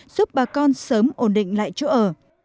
giúp bà con sớm ổn định lại chỗ ở